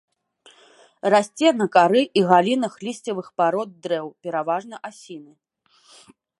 Расце на кары і галінах лісцевых парод дрэў, пераважна асіны.